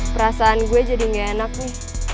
perasaan gue jadi gak enak nih